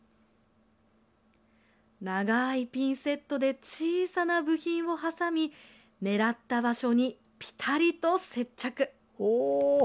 長いピンセットで小さな部品を挟み狙った場所にピタリと接着。